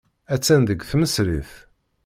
Attan deg tmesrit.